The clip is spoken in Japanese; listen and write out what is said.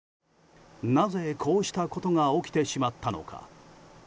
なぜ、こうしたことが起きてしまったのか。